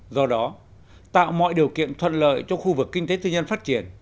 do đó tạo mọi điều kiện thuận lợi cho khu vực kinh tế tư nhân phát triển